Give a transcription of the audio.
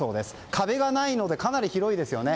壁がないのでかなり広いですよね。